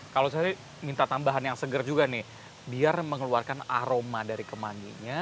kalau saya minta tambahan yang seger juga nih biar mengeluarkan aroma dari kemanginya